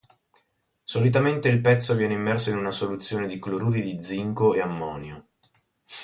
Solitamente il pezzo viene immerso in una soluzione di cloruri di zinco e ammonio.